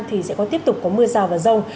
thì sẽ có tiếp tục có mưa rào và rông